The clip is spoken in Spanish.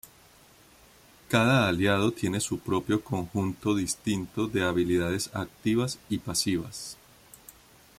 Cada aliado tiene su propio conjunto distinto de habilidades activas y pasivas.